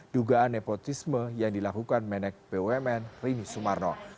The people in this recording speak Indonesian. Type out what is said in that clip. dugaan nepotisme yang dilakukan menek bumn rini sumarno